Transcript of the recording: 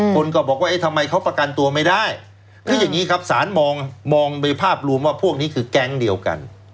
คนก็บอกว่าเอ๊ะทำไมเขาประกันตัวไม่ได้คืออย่างนี้ครับสารมองโดยภาพรวมว่าพวกนี้คือแก๊งเดียวกัน